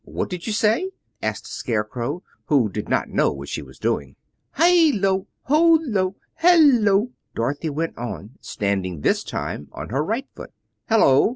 "What did you say?" asked the Scarecrow, who did not know what she was doing. "Hil lo, hol lo, hel lo!" Dorothy went on, standing this time on her right foot. "Hello!"